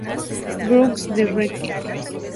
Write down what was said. Bundesliga, el VfB Lübeck.